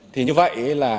thì như vậy là